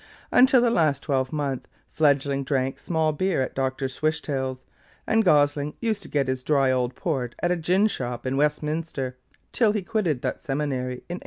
Until the last twelvemonth, Fledgling drank small beer at Doctor Swishtail's; and Gosling used to get his dry old port at a gin shop in Westminster till he quitted that seminary, in 1844.